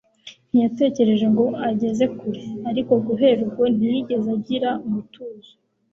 Ntiyatekereje ngo ageze kure, ariko guhera ubwo ntiyigeze agira umutuzo.